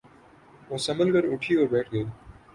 وہ سنبھل کر اٹھی اور بیٹھ گئی۔